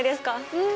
うん！